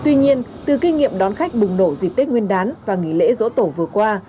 tuy nhiên từ kinh nghiệm đón khách bùng nổ dịp tết nguyên đán và nghỉ lễ dỗ tổ vừa qua